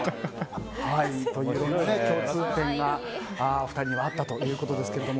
共通点が２人にはあったということですけど。